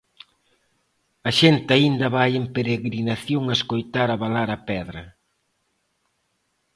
A xente aínda vai en peregrinación a escoitar abalar a pedra.